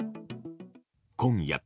今夜。